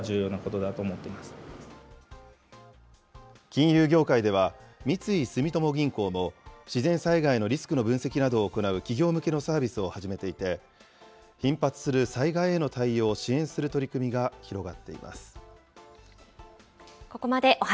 金融業界では、三井住友銀行も、自然災害のリスクの分析などを行う企業向けのサービスを始めていて、頻発する災害への対応を支援する取り組みが広がっています。